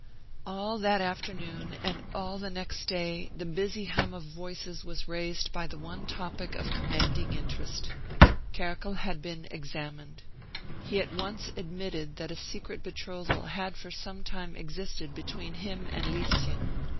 All that afternoon, and all the next day, the busy hum of voices was raised by the one topic of commanding interest. Kerkel had been examined. He at once admitted that a secret betrothal had for some time existed between him and Lieschen.